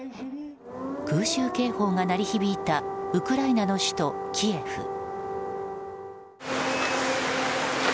空襲警報が鳴り響いたウクライナの首都キエフ。